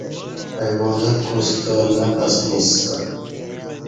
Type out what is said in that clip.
عبادت کوستہ نہ پسنیسہ